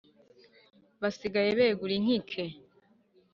basigaye begura inkike